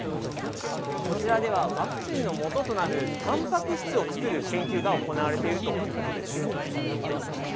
こちらでは、ワクチンのもととなるたんぱく質を作る研究が行われているということです。